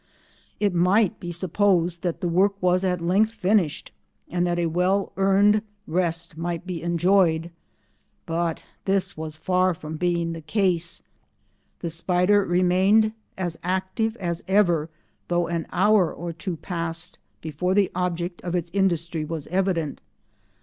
It might be supposed that the work was at length finished and that a well earned rest might be enjoyed, but this was far from being the case. The spider remained as active as ever though an hour or two passed before the object of its industry was evident.